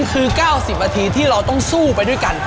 คือ๙๐นาทีที่เราต้องสู้ไปด้วยกัน